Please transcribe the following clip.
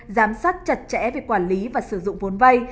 giám sát chặt chẽ việc quản lý và sử dụng vốn vay